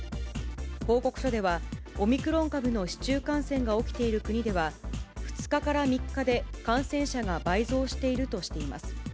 報告書では、オミクロン株の市中感染が起きている国では、２日から３日で感染者が倍増しているとしています。